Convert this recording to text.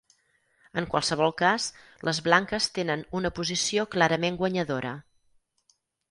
En qualsevol cas, les blanques tenen una posició clarament guanyadora.